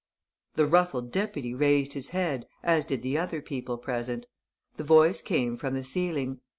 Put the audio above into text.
The ruffled deputy raised his head, as did the other people present. The voice came from the ceiling.